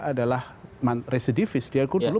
adalah residivis dia dulu